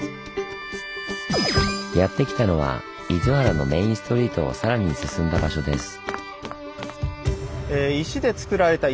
やって来たのは厳原のメインストリートをさらに進んだ場所です。